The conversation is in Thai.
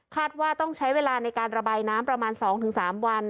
ว่าต้องใช้เวลาในการระบายน้ำประมาณ๒๓วัน